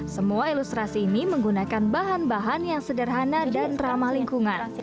semua ilustrasi ini menggunakan bahan bahan yang sederhana dan ramah lingkungan